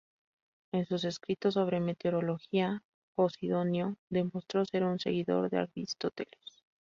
En sus escritos sobre meteorología, Posidonio demostró ser un seguidor de Aristóteles.